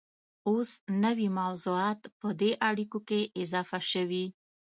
اوس نوي موضوعات په دې اړیکو کې اضافه شوي